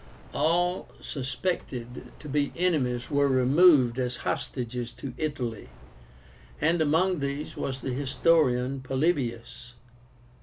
All suspected to be enemies were removed as hostages to Italy, and among these was the historian POLYBIUS.